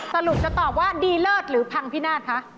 สรุปจะตอบว่าดีเลิศหรือพังพินาศคะ